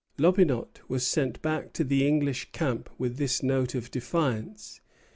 Loppinot was sent back to the English camp with this note of defiance.